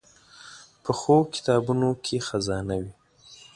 پخو کتابونو کې خزانه وي